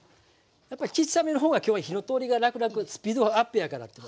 やっぱりちっさめの方が今日は火の通りがらくらくスピードアップやからってことで。